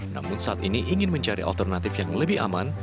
namun saat ini ingin mencari alternatif yang lebih aman